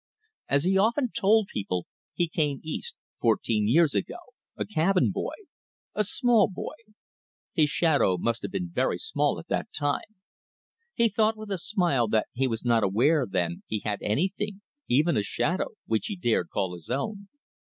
As he often told people, he came east fourteen years ago a cabin boy. A small boy. His shadow must have been very small at that time; he thought with a smile that he was not aware then he had anything even a shadow which he dared call his own.